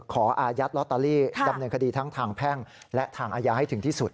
อายัดลอตเตอรี่ดำเนินคดีทั้งทางแพ่งและทางอาญาให้ถึงที่สุด